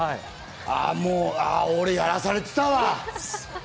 あ、もう俺やらされてたわ。